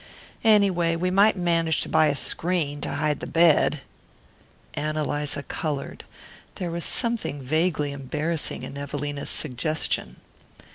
Anyway, we might manage to buy a screen to hide the bed." Ann Eliza coloured. There was something vaguely embarrassing in Evelina's suggestion.